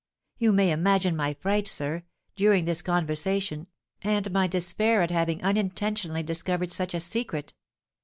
You may imagine my fright, sir, during this conversation, and my despair at having unintentionally discovered such a secret.